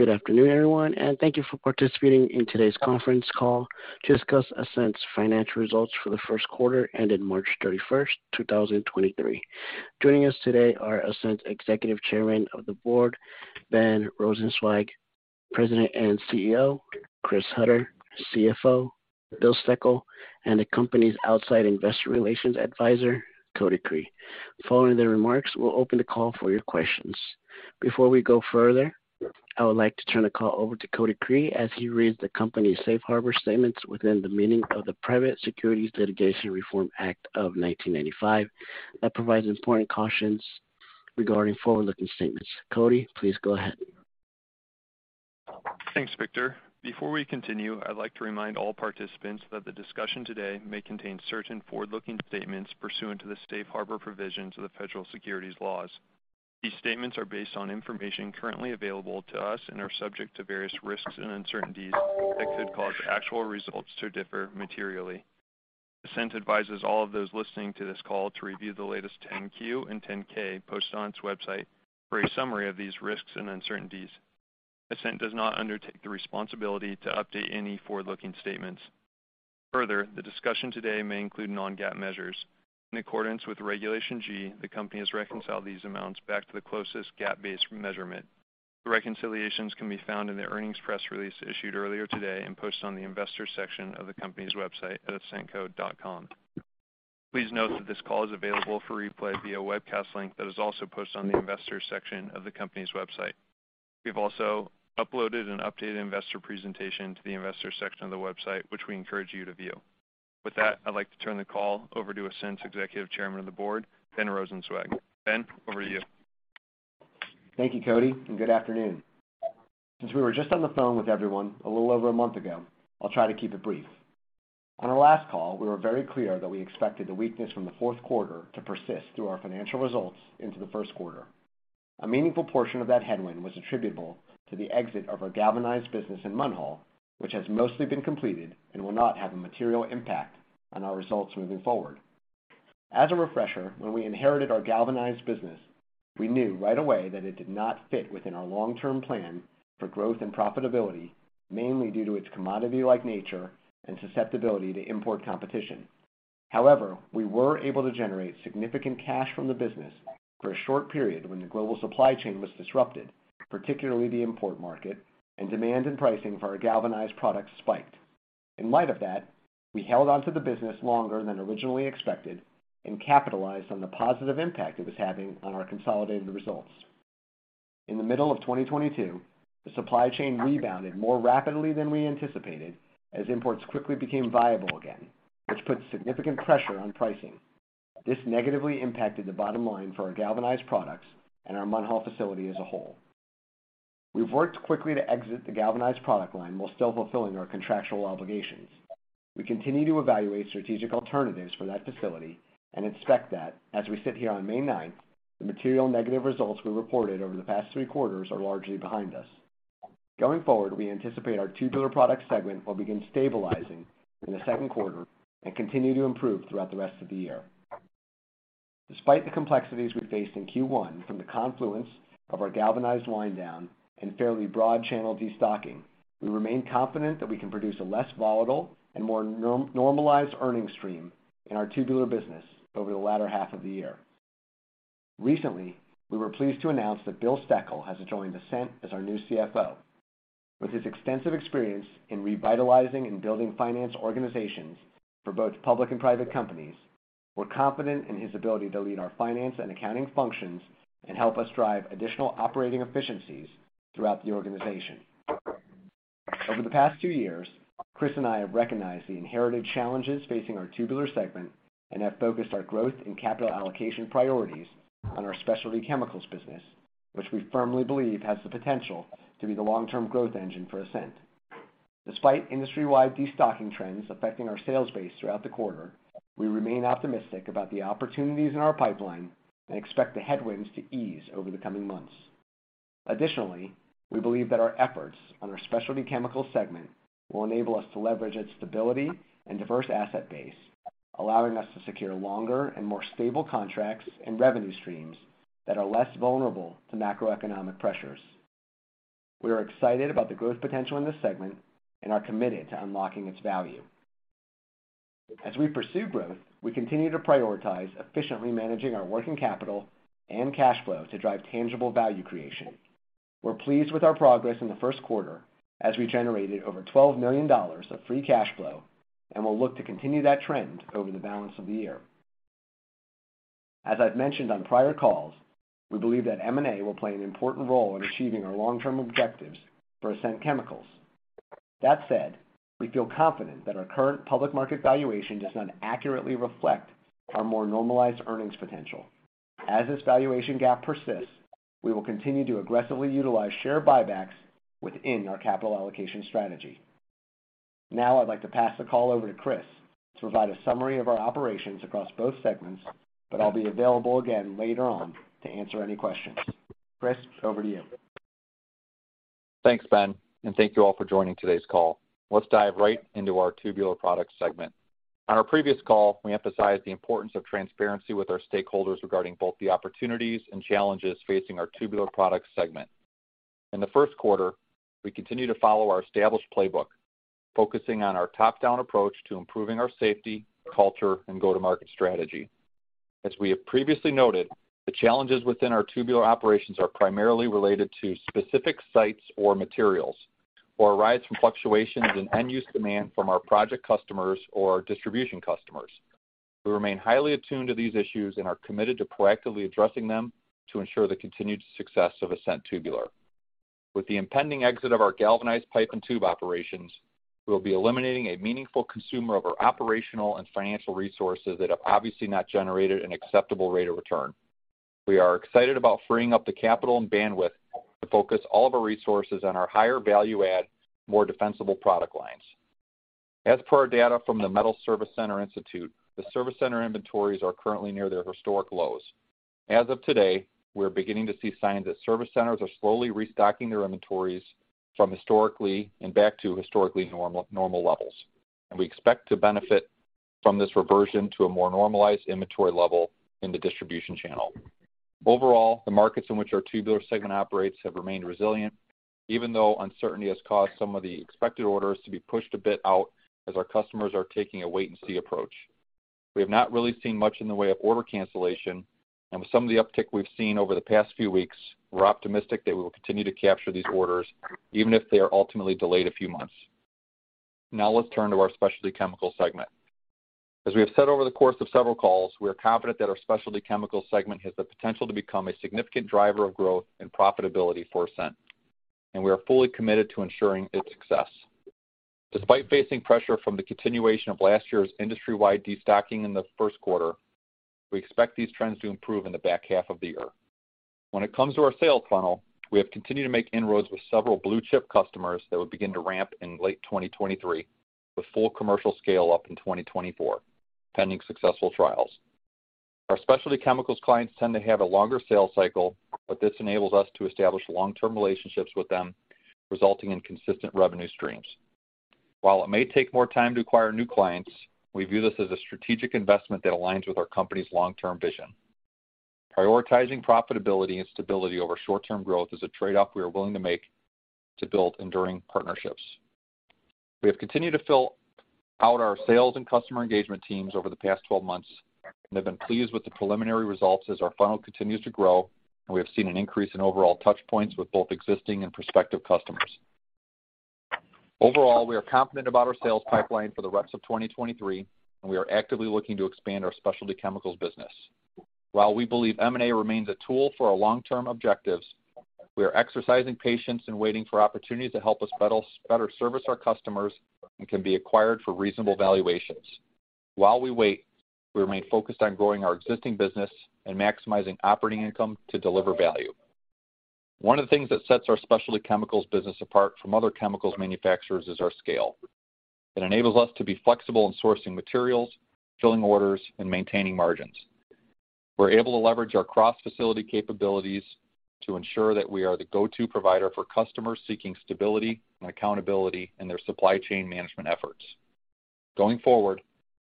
Good afternoon, everyone, and thank you for participating in today's conference call to discuss Ascent's Financial Results for the First Quarter that ended March 31, 2023. Joining us today are Ascent's Executive Chairman of the Board; Ben Rosenzweig; President and CEO, Chris Hutter; CFO; Bill Steckel, and the company's outside investor relations advisor; Cody Cree. Following their remarks, we'll open the call for your questions. Before we go further, I would like to turn the call over to Cody Cree as he reads the company's safe harbor statements within the meaning of the Private Securities Litigation Reform Act of 1995 that provides important cautions regarding forward-looking statements. Cody, please go ahead. Thanks, Victor. Before we continue, I'd like to remind all participants that the discussion today may contain certain forward-looking statements pursuant to the safe harbor provisions of the federal securities laws. These statements are based on information currently available to us and are subject to various risks and uncertainties that could cause actual results to differ materially. Ascent advises all of those listening to this call to review the latest 10-Q and 10-K posted on its website for a summary of these risks and uncertainties. Ascent does not undertake the responsibility to update any forward-looking statements. Further, the discussion today may include non-GAAP measures. In accordance with Regulation G, the company has reconciled these amounts back to the closest GAAP-based measurement. The reconciliations can be found in the earnings press release issued earlier today and posted on the investors section of the company's website at ascentco.com. Please note that this call is available for replay via webcast link that is also posted on the investors section of the company's website. We've also uploaded an updated investor presentation to the investor section of the website, which we encourage you to view. I'd like to turn the call over to Ascent's Executive Chairman of the Board, Ben Rosenzweig. Ben, over to you. Thank you, Cody, good afternoon. Since we were just on the phone with everyone a little over a month ago, I'll try to keep it brief. On our last call, we were very clear that we expected the weakness from the fourth quarter to persist through our financial results into the first quarter. A meaningful portion of that headwind was attributable to the exit of our galvanized business in Munhall, which has mostly been completed and will not have a material impact on our results moving forward. As a refresher, when we inherited our galvanized business, we knew right away that it did not fit within our long-term plan for growth and profitability, mainly due to its commodity-like nature and susceptibility to import competition. However, we were able to generate significant cash from the business for a short period when the global supply chain was disrupted, particularly the import market, and demand in pricing for our galvanized products spiked. In light of that, we held onto the business longer than originally expected and capitalized on the positive impact it was having on our consolidated results. In the middle of 2022, the supply chain rebounded more rapidly than we anticipated as imports quickly became viable again, which put significant pressure on pricing. This negatively impacted the bottom line for our galvanized products and our Munhall facility as a whole. We've worked quickly to exit the galvanized product line while still fulfilling our contractual obligations. We continue to evaluate strategic alternatives for that facility and expect that as we sit here on May ninth, the material negative results we reported over the past three quarters are largely behind us. Going forward, we anticipate our Tubular Products segment will begin stabilizing in the second quarter and continue to improve throughout the rest of the year. Despite the complexities we faced in Q1 from the confluence of our galvanized wind down and fairly broad channel destocking, we remain confident that we can produce a less volatile and more normalized earnings stream in our tubular business over the latter half of the year. Recently, we were pleased to announce that Bill Steckel has joined Ascent as our new CFO. With his extensive experience in revitalizing and building finance organizations for both public and private companies, we're confident in his ability to lead our finance and accounting functions and help us drive additional operating efficiencies throughout the organization. Over the past two years, Chris and I have recognized the inherited challenges facing our Tubular segment and have focused our growth and capital allocation priorities on our Specialty Chemicals business, which we firmly believe has the potential to be the long-term growth engine for Ascent. Despite industry-wide destocking trends affecting our sales base throughout the quarter, we remain optimistic about the opportunities in our pipeline and expect the headwinds to ease over the coming months. Additionally, we believe that our efforts on our Specialty Chemicals segment will enable us to leverage its stability and diverse asset base, allowing us to secure longer and more stable contracts and revenue streams that are less vulnerable to macroeconomic pressures. We are excited about the growth potential in this segment and are committed to unlocking its value. As we pursue growth, we continue to prioritize efficiently managing our working capital and cash flow to drive tangible value creation. We're pleased with our progress in the first quarter as we generated over $12 million of free cash flow, and we'll look to continue that trend over the balance of the year. As I've mentioned on prior calls, we believe that M&A will play an important role in achieving our long-term objectives for Ascent Chemicals. That said, we feel confident that our current public market valuation does not accurately reflect our more normalized earnings potential. As this valuation gap persists, we will continue to aggressively utilize share buybacks within our capital allocation strategy. Now I'd like to pass the call over to Chris to provide a summary of our operations across both segments, but I'll be available again later on to answer any questions. Chris, over to you. Thanks, Ben. Thank you all for joining today's call. Let's dive right into our Tubular Products segment. On our previous call, we emphasized the importance of transparency with our stakeholders regarding both the opportunities and challenges facing our Tubular Products segment. In the first quarter, we continue to follow our established playbook, focusing on our top-down approach to improving our safety, culture, and go-to-market strategy. As we have previously noted, the challenges within our Tubular operations are primarily related to specific sites or materials, or arise from fluctuations in end-use demand from our project customers or distribution customers. We remain highly attuned to these issues and are committed to proactively addressing them to ensure the continued success of Ascent Tubular. With the impending exit of our galvanized pipe and tube operations, we will be eliminating a meaningful consumer of our operational and financial resources that have obviously not generated an acceptable rate of return. We are excited about freeing up the capital and bandwidth to focus all of our resources on our higher value add, more defensible product lines. As per our data from the Metals Service Center Institute, the service center inventories are currently near their historic lows. As of today, we are beginning to see signs that service centers are slowly restocking their inventories back to historically normal levels, and we expect to benefit from this reversion to a more normalized inventory level in the distribution channel. Overall, the markets in which our Tubular segment operates have remained resilient, even though uncertainty has caused some of the expected orders to be pushed a bit out as our customers are taking a wait and see approach. We have not really seen much in the way of order cancellation, with some of the uptick we've seen over the past few weeks, we're optimistic that we will continue to capture these orders even if they are ultimately delayed a few months. Now let's turn to our Specialty Chemicals segment. As we have said over the course of several calls, we are confident that our Specialty Chemicals segment has the potential to become a significant driver of growth and profitability for Ascent, and we are fully committed to ensuring its success. Despite facing pressure from the continuation of last year's industry-wide destocking in the first quarter, we expect these trends to improve in the back half of the year. When it comes to our sales funnel, we have continued to make inroads with several blue-chip customers that will begin to ramp in late 2023, with full commercial scale up in 2024, pending successful trials. Our Specialty Chemicals clients tend to have a longer sales cycle, but this enables us to establish long-term relationships with them, resulting in consistent revenue streams. While it may take more time to acquire new clients, we view this as a strategic investment that aligns with our company's long-term vision. Prioritizing profitability and stability over short-term growth is a trade-off we are willing to make to build enduring partnerships. We have continued to fill out our sales and customer engagement teams over the past 12 months, have been pleased with the preliminary results as our funnel continues to grow, we have seen an increase in overall touch points with both existing and prospective customers. Overall, we are confident about our sales pipeline for the rest of 2023, we are actively looking to expand our Specialty Chemicals business. While we believe M&A remains a tool for our long-term objectives, we are exercising patience and waiting for opportunities to help us better service our customers and can be acquired for reasonable valuations. While we wait, we remain focused on growing our existing business and maximizing operating income to deliver value. One of the things that sets our Specialty Chemicals business apart from other chemicals manufacturers is our scale. It enables us to be flexible in sourcing materials, filling orders, and maintaining margins. We're able to leverage our cross-facility capabilities to ensure that we are the go-to provider for customers seeking stability and accountability in their supply chain management efforts. Going forward,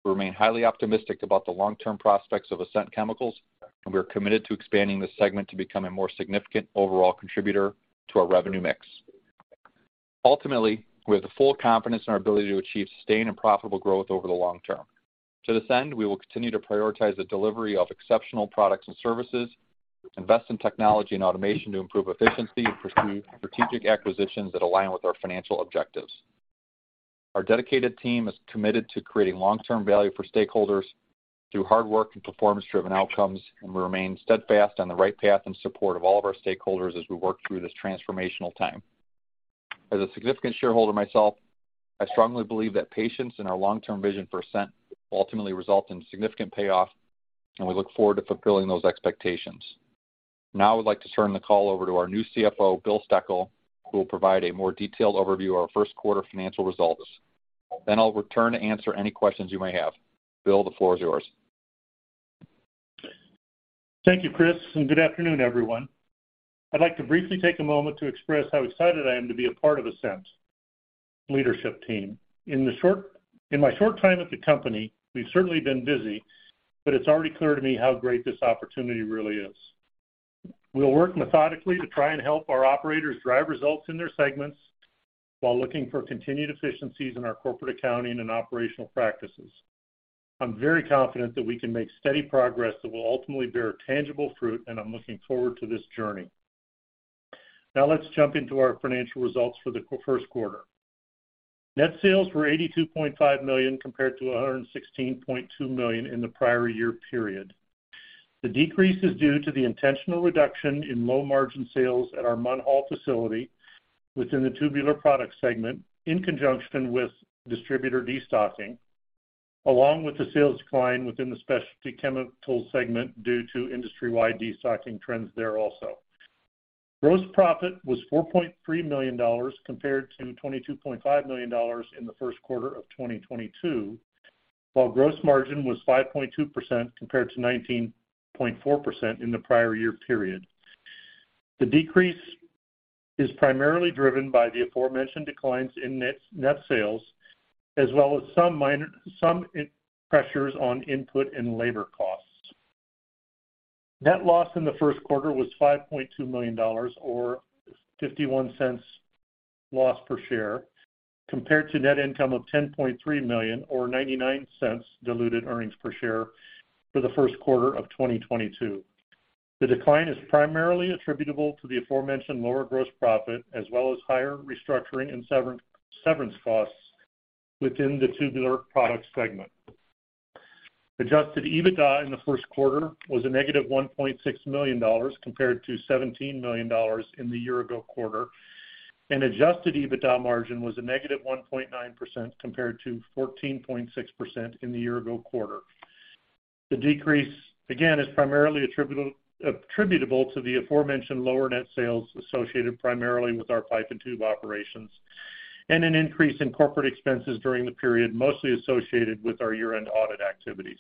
we remain highly optimistic about the long-term prospects of Ascent Chemicals, and we are committed to expanding this segment to become a more significant overall contributor to our revenue mix. Ultimately, we have the full confidence in our ability to achieve sustained and profitable growth over the long term. To this end, we will continue to prioritize the delivery of exceptional products and services, invest in technology and automation to improve efficiency, and pursue strategic acquisitions that align with our financial objectives. Our dedicated team is committed to creating long-term value for stakeholders through hard work and performance-driven outcomes, and we remain steadfast on the right path in support of all of our stakeholders as we work through this transformational time. As a significant shareholder myself, I strongly believe that patience in our long-term vision for Ascent will ultimately result in significant payoff, and we look forward to fulfilling those expectations. I would like to turn the call over to our new CFO; Bill Steckel, who will provide a more detailed overview of our first quarter financial results. I'll return to answer any questions you may have. Bill, the floor is yours. Thank you, Chris. Good afternoon, everyone. I'd like to briefly take a moment to express how excited I am to be a part of Ascent's leadership team. In my short time at the company, we've certainly been busy, but it's already clear to me how great this opportunity really is. We'll work methodically to try and help our operators drive results in their segments while looking for continued efficiencies in our corporate accounting and operational practices. I'm very confident that we can make steady progress that will ultimately bear tangible fruit, and I'm looking forward to this journey. Now let's jump into our financial results for the first quarter. Net sales were $82.5 million compared to $116.2 million in the prior year period. The decrease is due to the intentional reduction in low-margin sales at our Munhall facility within the Tubular Products segment, in conjunction with distributor destocking, along with the sales decline within the Specialty Chemicals segment due to industry-wide destocking trends there also. Gross profit was $4.3 million compared to $22.5 million in the first quarter of 2022. While gross margin was 5.2% compared to 19.4% in the prior year period. Is primarily driven by the aforementioned declines in net-net sales, as well as some pressures on input and labor costs. Net loss in the first quarter was $5.2 million, or $0.51 loss per share, compared to net income of $10.3 million, or $0.99 diluted earnings per share for the first quarter of 2022. The decline is primarily attributable to the aforementioned lower gross profit as well as higher restructuring and severance costs within the Tubular Products segment. Adjusted EBITDA in the first quarter was a - $1.6 million compared to $17 million in the year ago quarter, and adjusted EBITDA margin was a negative 1.9% compared to 14.6% in the year ago quarter. The decrease, again, is primarily attributable to the aforementioned lower net sales associated primarily with our pipe and tube operations and an increase in corporate expenses during the period, mostly associated with our year-end audit activities.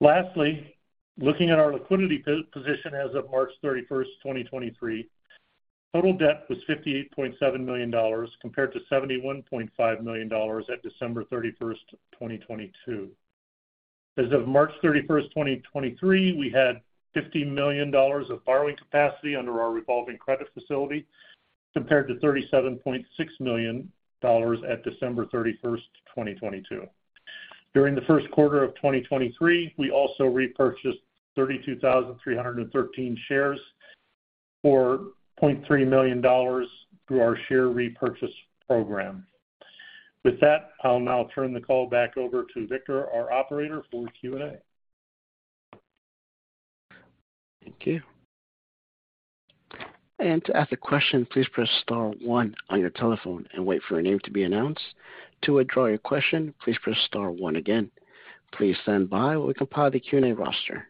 Lastly, looking at our liquidity position as of March 31, 2023, total debt was $58.7 million, compared to $71.5 million at December 31, 2022. As of March 31, 2023, we had $50 million of borrowing capacity under our revolving credit facility, compared to $37.6 million at December 31, 2022. During the first quarter of 2023, we also repurchased 32,313 shares for $0.3 million through our share repurchase program. With that, I'll now turn the call back over to Victor, our operator, for Q&A. Thank you. To ask a question, please press star one on your telephone and wait for your name to be announced. To withdraw your question, please press star one again. Please stand by while we compile the Q&A roster.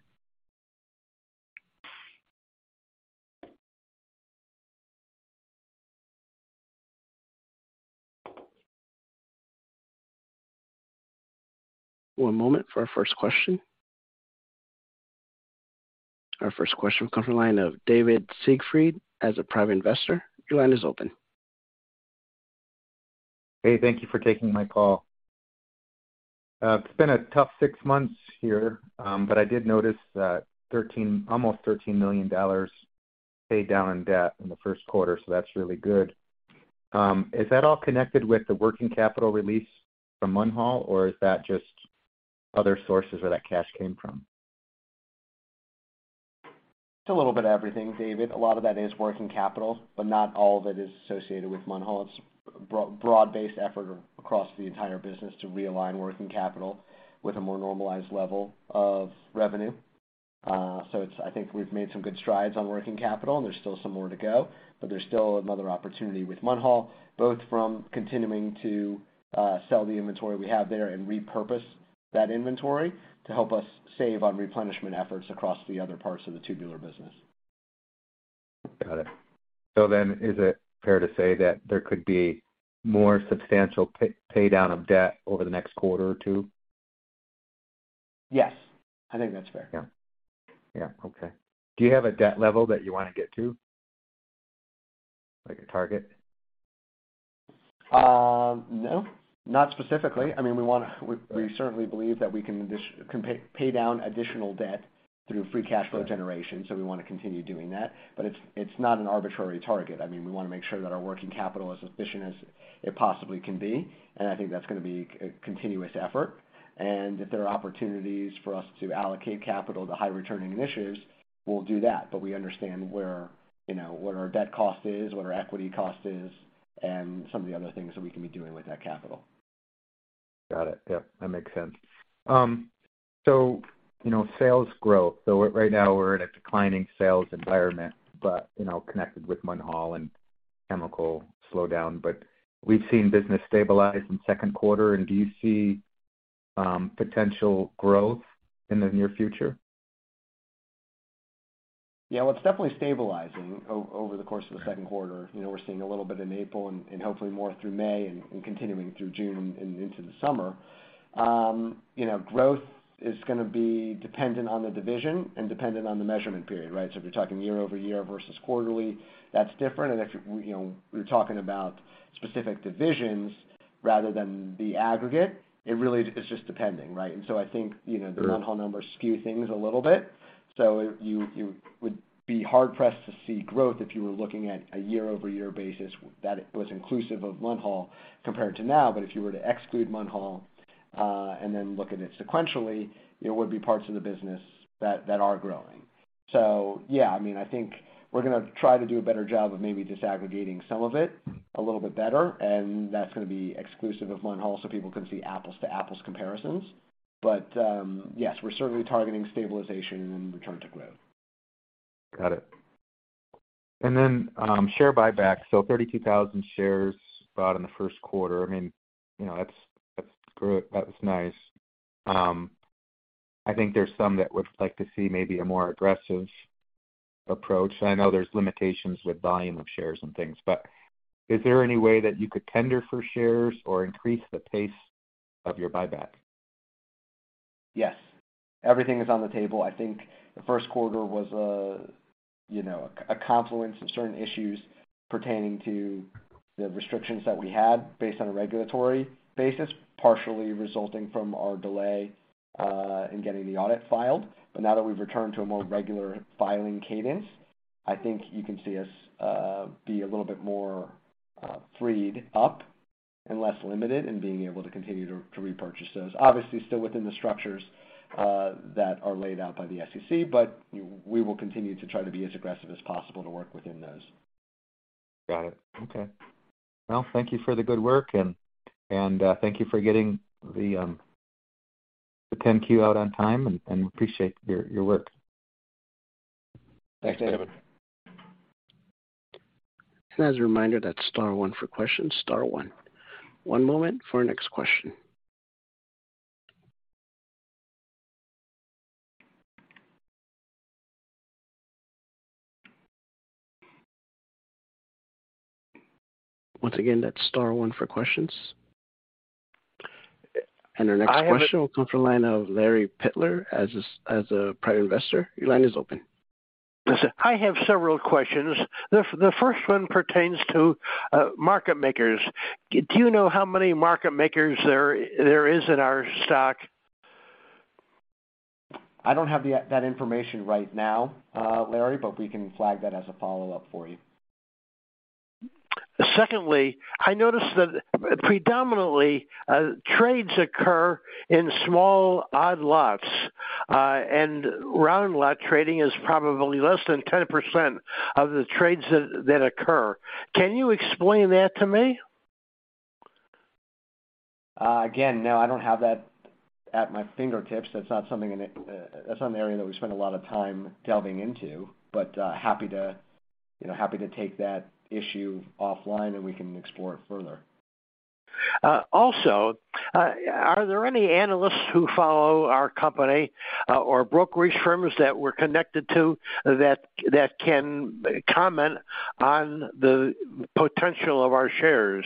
One moment for our first question. Our first question will come from the line of David Siegfried, as a Private Investor, your line is open. Hey, thank you for taking my call. It's been a tough six months here, I did notice that almost $13 million paid down in debt in the first quarter. That's really good. Is that all connected with the working capital release from Munhall, or is that just other sources where that cash came from? It's a little bit of everything, David. A lot of that is working capital, but not all of it is associated with Munhall. It's a broad-based effort across the entire business to realign working capital with a more normalized level of revenue. I think we've made some good strides on working capital, and there's still some more to go, but there's still another opportunity with Munhall, both from continuing to sell the inventory we have there and repurpose that inventory to help us save on replenishment efforts across the other parts of the tubular business. Got it. Is it fair to say that there could be more substantial pay down of debt over the next quarter or 2? Yes, I think that's fair. Yeah. Okay. Do you have a debt level that you want to get to, like a target? No, not specifically. I mean, we certainly believe that we can pay down additional debt through free cash flow generation, we wanna continue doing that. It's not an arbitrary target. I mean, we wanna make sure that our working capital is as efficient as it possibly can be, and I think that's gonna be a continuous effort. If there are opportunities for us to allocate capital to high returning initiatives, we'll do that. We understand where, you know, what our debt cost is, what our equity cost is, and some of the other things that we can be doing with that capital. Got it. Yeah, that makes sense. You know, sales growth. Right now we're in a declining sales environment, but, you know, connected with Munhall and chemical slowdown. We've seen business stabilize in second quarter. Do you see potential growth in the near future? Yeah, Its definitely stabilizing over the course of the second quarter. You know, we're seeing a little bit in April and hopefully more through May and continuing through June and into the summer. You know, growth is gonna be dependent on the division and dependent on the measurement period, right? If you're talking year-over-year versus quarterly, that's different. You know, we're talking about specific divisions rather than the aggregate, it really is just depending, right? I think, you know, the Munhall numbers skew things a little bit. You would be hard pressed to see growth if you were looking at a year-over-year basis that was inclusive of Munhall compared to now. If you were to exclude Munhall, and then look at it sequentially, there would be parts of the business that are growing. Yeah, I mean, I think we're gonna try to do a better job of maybe disaggregating some of it a little bit better, and that's gonna be exclusive of Munhall so people can see apples to apples comparisons. Yes, we're certainly targeting stabilization and return to growth. Then, share buyback. 32,000 shares bought in the 1st quarter. I mean, you know, that's nice. I think there's some that would like to see maybe a more aggressive approach. I know there's limitations with volume of shares and things, but is there any way that you could tender for shares or increase the pace of your buyback? Yes, everything is on the table. I think the first quarter was, you know, a confluence of certain issues pertaining to the restrictions that we had based on a regulatory basis, partially resulting from our delay in getting the audit filed. Now that we've returned to a more regular filing cadence, I think you can see us be a little bit more freed up and less limited in being able to continue to repurchase those. Obviously, still within the structures that are laid out by the SEC, we will continue to try to be as aggressive as possible to work within those. Got it. Okay. Well, thank you for the good work and thank you for getting the 10-Q out on time and appreciate your work. Thanks, Evan. As a reminder, that's star one for questions. Star one. One moment for our next question. Once again, that's star one for questions. Our next question will come from the line of Larry Pitler. As a Private Investor, your line is open. Listen, I have several questions. The first one pertains to market makers. Do you know how many market makers there is in our stock? I don't have that information right now, Larry, but we can flag that as a follow-up for you. Secondly, I noticed that predominantly, trades occur in small odd lots, and round lot trading is probably less than 10% of the trades that occur. Can you explain that to me? Again, no, I don't have that at my fingertips. That's not something that's not an area that we spend a lot of time delving into. Happy to, you know, happy to take that issue offline, and we can explore it further. Also, are there any analysts who follow our company, or brokerage firms that we're connected to that can comment on the potential of our shares?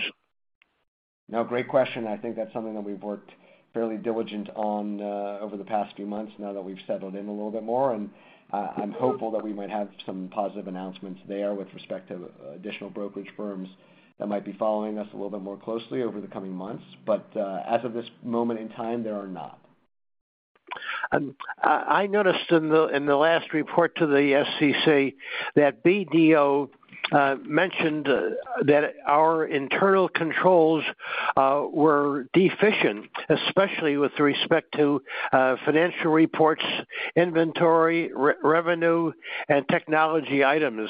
Great question. I think that's something that we've worked fairly diligently on over the past few months now that we've settled in a little bit more. I'm hopeful that we might have some positive announcements there with respect to additional brokerage firms that might be following us a little bit more closely over the coming months. As of this moment in time, there are not. I noticed in the last report to the SEC that BDO mentioned that our internal controls were deficient, especially with respect to financial reports, inventory, re-revenue, and technology items.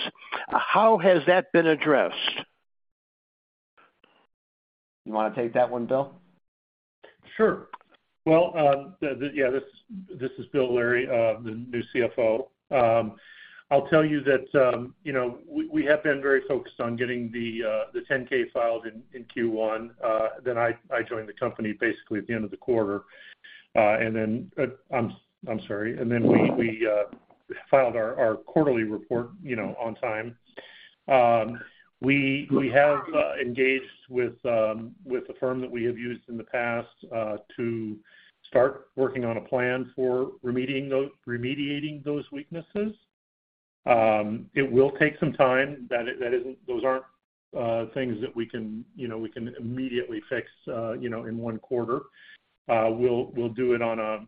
How has that been addressed? You wanna take that one, Bill? Sure. Well, yeah, this is Bill, Larry, the new CFO. I'll tell you that, you know, we have been very focused on getting the 10-K filed in Q1. I joined the company basically at the end of the quarter. I'm sorry. We filed our quarterly report, you know, on time. We have engaged with a firm that we have used in the past to start working on a plan for remediating those weaknesses. It will take some time. Those aren't things that we can, you know, we can immediately fix, you know, in one quarter. We'll do it on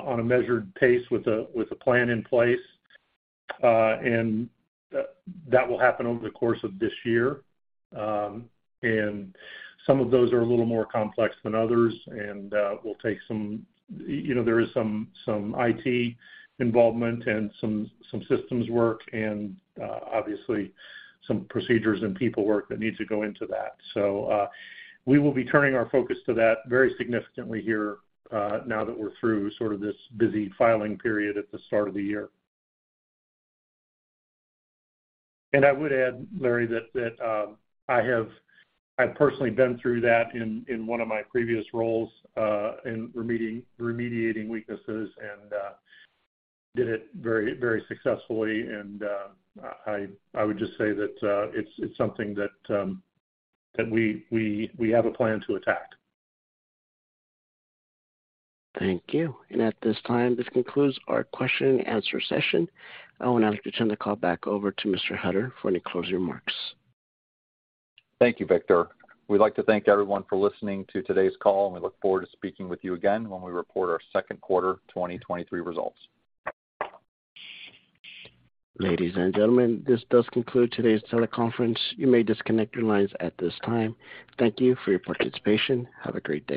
a measured pace with a plan in place. That will happen over the course of this year. Some of those are a little more complex than others, and you know, there is some IT involvement and some systems work and obviously some procedures and people work that needs to go into that. We will be turning our focus to that very significantly here, now that we're through sort of this busy filing period at the start of the year. I would add, Larry, that I've personally been through that in one of my previous roles, in remediating weaknesses and did it very successfully. I would just say that it's something that we have a plan to attack. Thank you. At this time, this concludes our question and answer session. I would now like to turn the call back over to Mr. Hutter for any closing remarks. Thank you, Victor. We'd like to thank everyone for listening to today's call, and we look forward to speaking with you again when we report our Second Quarter 2023 results. Ladies and gentlemen, this does conclude today's teleconference. You may disconnect your lines at this time. Thank you for your participation. Have a great day.